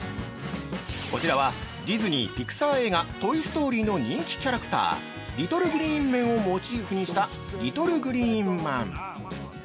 こちらは、ディズニー＆ピクサー映画「トイ・ストーリー」の人気キャラクター、リトルグリーンメンをモチーフにした「リトルグリーンまん」。